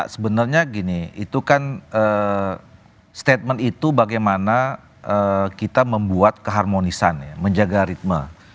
sebenarnya gini itu kan statement itu bagaimana kita membuat keharmonisan ya menjaga ritme